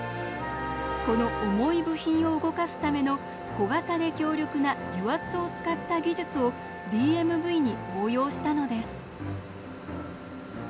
この重い部品を動かすための小型で強力な「油圧を使った技術」をＤＭＶに応用したのです。